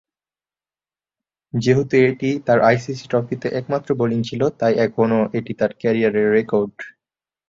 যেহেতু এটি তার আইসিসি ট্রফিতে একমাত্র বোলিং ছিল, তাই এখনও এটি তার ক্যারিয়ারের রেকর্ড।